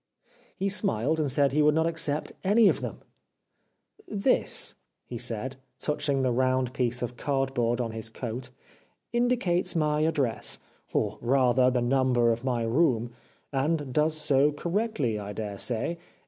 " He smiled and said he would not accept any one of them. ' This,' he said, touching the round piece of cardboard on his coat, " indicates my address, or rather the number of my room, and does so correctly, I daresay.